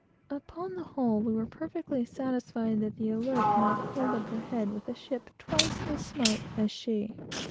Upon the whole, we were perfectly satisfied that the Alert might hold up her head with a ship twice as smart as she.